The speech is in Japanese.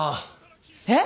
えっ？